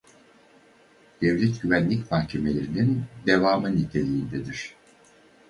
Devlet Güvenlik Mahkemeleri'nin devamı niteliğindedir.